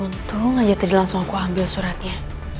untung aja tadi langsung aku ambil suratnya